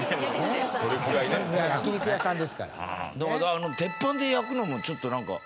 あの鉄板で焼くのもちょっとなんか。